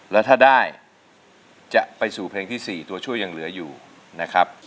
แล้วถ้าได้จะไปสู่เพลงที่๔ตัวช่วยยังเหลืออยู่นะครับ